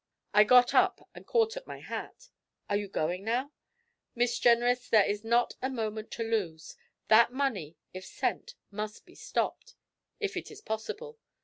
I got up and caught at my hat. 'Are you going now?' 'Miss Jenrys, there is not a moment to lose. That money, if sent, must be stopped, if it is possible!